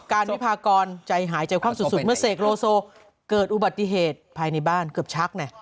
วิพากรใจหายใจความสุดเมื่อเสกโลโซเกิดอุบัติเหตุภายในบ้านเกือบชัก